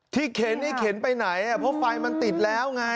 เข็นนี่เข็นไปไหนเพราะไฟมันติดแล้วไง